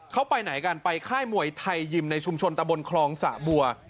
เขาไปไหนกันไปค่ายมวยไทยยิมในชุมชนตะบนคลองสะบัว